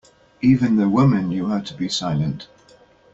Even the women knew how to be silent.